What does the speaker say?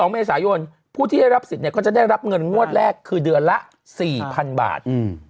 ๒เมษายนผู้ที่ได้รับสิทธิ์ก็จะได้รับเงินงวดแรกคือเดือนละ๔๐๐๐บาท